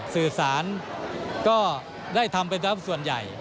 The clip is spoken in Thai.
สื่อสารก็ได้ทำเป็นส่วนใหญ่